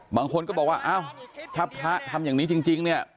บางคนก็บอกว่าอ้าวถ้าพระทำอย่างนี้จริงเนี่ย